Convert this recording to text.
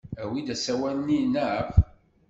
Awi-d asawal-nni, naɣ?